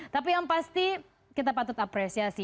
tapi yang pasti kita patut apresiasi